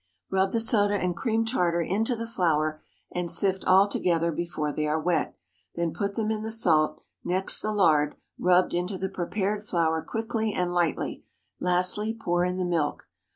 Rub the soda and cream tartar into the flour, and sift all together before they are wet; then put in the salt; next the lard, rubbed into the prepared flour quickly and lightly; lastly, pour in the milk.